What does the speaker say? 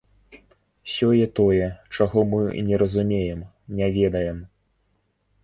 Сёе-тое, чаго мы не разумеем, не ведаем.